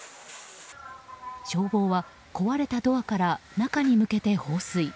消防は壊れたドアから中に向けて放水。